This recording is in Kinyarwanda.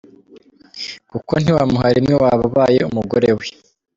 Kuko ntiwamuharimwe waba ubaye umugore we.